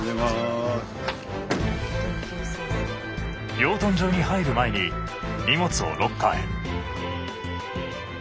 養豚場に入る前に荷物をロッカーへ。